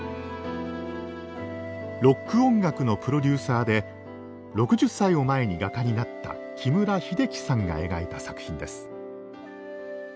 ロック音楽のプロデューサーで６０歳を前に画家になった木村英輝さんが描いた作品です。